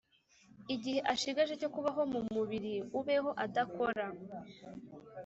Igihe ashigaje cyo kubaho mu mubiri u abeho adakora